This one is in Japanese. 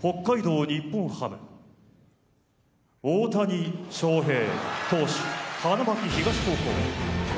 北海道日本ハム、大谷翔平投手、花巻東高校。